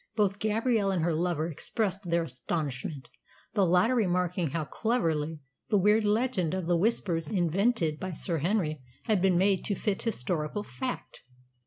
Both Gabrielle and her lover expressed their astonishment, the latter remarking how cleverly the weird legend of the Whispers invented by Sir Henry had been made to fit historical fact.